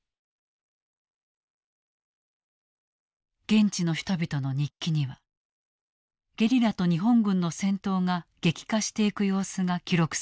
現地の人々の日記にはゲリラと日本軍の戦闘が激化していく様子が記録されていく。